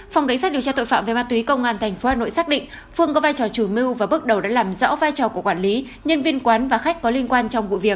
phòng cảnh sát điều tra tội phạm về ma túy công an tp hà nội xác định phương có vai trò chủ mưu và bước đầu đã làm rõ vai trò của quản lý nhân viên quán và khách có liên quan trong vụ việc